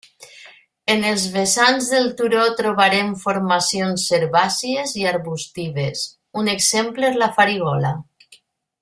En els vessants del turo trobarem formacions herbàcies i arbustives, un exemple és la farigola.